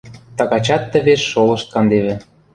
Тагачат тӹвеш шолышт кандевӹ.